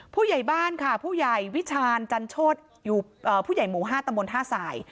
ผู้ใหญ่บ้านค่ะผู้ใหญ่วิชาญจันทศอยู่เอ่อผู้ใหญ่หมู่ห้าตำวนท่าสาย